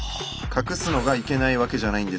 隠すのがいけないわけじゃないんです。